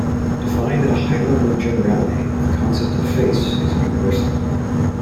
Defined at a high level of generality, the concept of face is a universal.